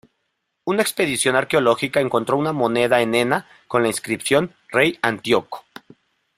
Una expedición arqueológica encontró una moneda en Enna con la inscripción "Rey Antíoco".